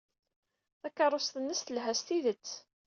Takeṛṛust-nnes telha s tidet.